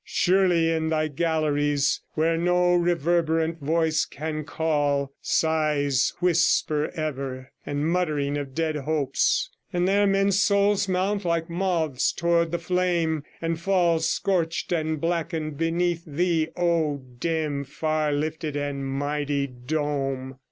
surely in thy galleries, where no reverberant voice can call, sighs whisper ever, and mutterings of dead hopes; and there men's souls mount like moths towards the flame, and fall scorched and blackened beneath thee, O dim, far lifted, and mighty dome!